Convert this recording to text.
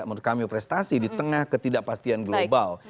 menurut kami prestasi di tengah ketidakpastian global